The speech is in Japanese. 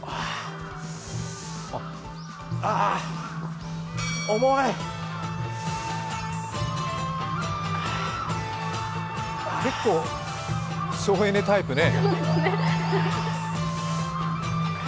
ああ重い結構、省エネタイプね。